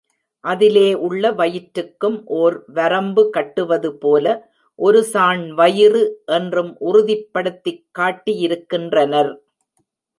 அதிலே உள்ள வயிற்றுக்கும் ஒர் வரம்பு கட்டுவதுபோல, ஒரு சாண் வயிறு என்றும் உறுதிப்படுத்திக் காட்டியிருக்கின்றனர்.